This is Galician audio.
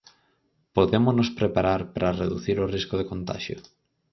Podémonos preparar para reducir o risco de contaxio?